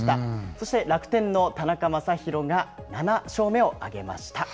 そして楽天の田中将大が７勝目を挙げました。